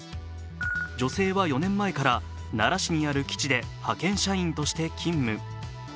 女性は４年前から奈良市にある基地で派遣社員として勤務。